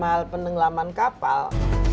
dalam hal penengelaman kapal